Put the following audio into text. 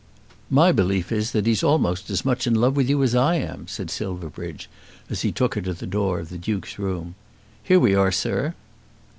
"My belief is that he's almost as much in love with you as I am," said Silverbridge, as he took her to the door of the Duke's room. "Here we are, sir."